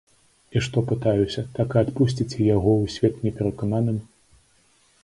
І што, пытаюся, так і адпусціце яго ў свет неперакананым?